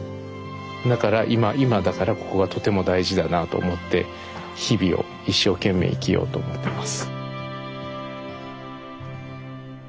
だから今だからここがとても大事だなと思って日々を一生懸命生きようと思ってます。